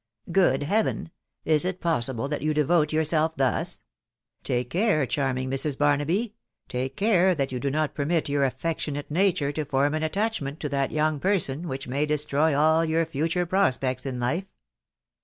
" Good Heaven !.... Is it possible that you devote your self thus ?.•.. Take care, charming Mrs. Barnaby .... take care that you do not permit your affectionate nature to fornv an attachment to that young person which may destroy all your future prospects in life